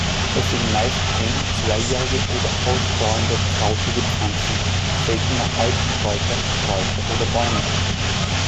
Es sind meist ein-, zweijährige oder ausdauernde krautige Pflanzen, seltener Halbsträucher, Sträucher oder Bäume.